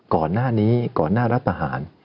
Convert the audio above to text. ก่อนหน้านี้ก่อนหน้ารัฐหาร